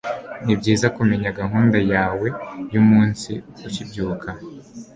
ni byiza kumenya gahunda yawe y'umunsi ukibyuka